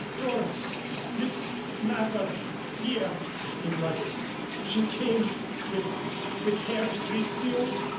"Doris Miss Mather here!" he muttered. "She came with with Herr Rizzio?"